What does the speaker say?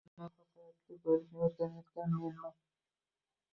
Hayotda muvaffaqiyatli bo’lishni o’rganayotgan menman.